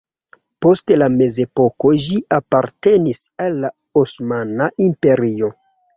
Post la mezepoko ĝi apartenis al la Osmana Imperio.